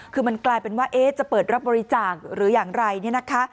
คือมันกลายเป็นว่าจะเปิดรับบริจาคหรืออย่างไรเนี่ยนะคะ